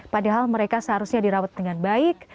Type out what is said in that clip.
padahal mereka seharusnya dirawat dengan baik